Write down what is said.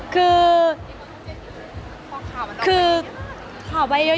คือบอกเลยว่าเป็นครั้งแรกในชีวิตจิ๊บนะ